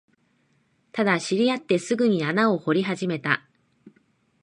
ただ、知り合ってすぐに穴を掘り始めた